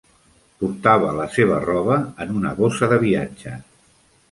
Portava la seva roba en una bossa de viatge.